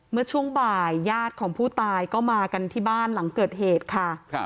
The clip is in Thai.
เมื่อช่วงบ่ายญาติของผู้ตายก็มากันที่บ้านหลังเกิดเหตุค่ะ